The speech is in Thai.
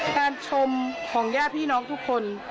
การชมของญาติพี่น้องทุกคน